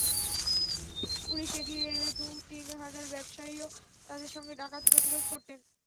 Police এগিয়ে এলে দু-তিন হাজার ব্যবসায়ীও তাদের সঙ্গে ডাকাত প্রতিরোধ করতেন।